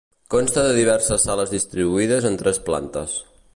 Consta de diverses sales distribuïdes en tres plantes.